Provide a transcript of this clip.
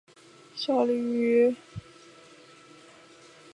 目前效力于崎玉西武狮担任先发投手。